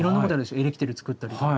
エレキテル作ったりとか。